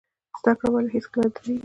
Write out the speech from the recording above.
زده کړه ولې هیڅکله نه دریږي؟